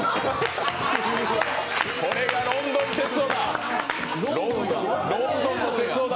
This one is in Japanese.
これがロンドン哲夫だ！